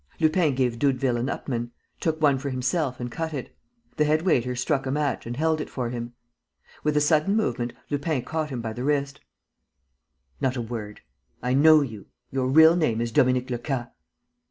Lupin gave Doudeville an Upmann, took one for himself and cut it. The head waiter struck a match and held if for him. With a sudden movement, Lupin caught him by the wrist: "Not a word. ... I know you. ... Your real name is Dominique Lecas!"